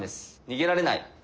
逃げられない。